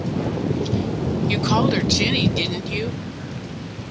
You called her Jenny, didn't you?